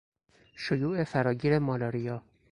شیوع فراگیر مالاریا